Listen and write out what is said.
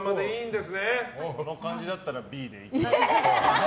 もうこの感じだったらＢでいい。